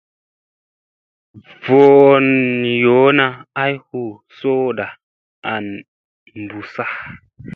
Voon yoona ay hu sooɗa an i bussa.